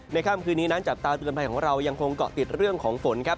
ค่ำคืนนี้นั้นจับตาเตือนภัยของเรายังคงเกาะติดเรื่องของฝนครับ